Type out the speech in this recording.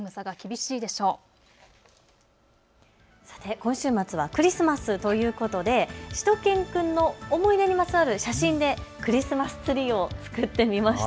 今週末はクリスマスということでしゅと犬くんの思い出にまつわる写真でクリスマスツリーを作ってみました。